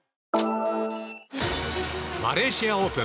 マレーシアオープン。